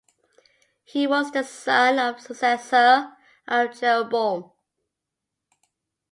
He was the son and successor of Jeroboam.